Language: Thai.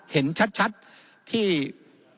เป็นเพราะว่าคนกลุ่มหนึ่ง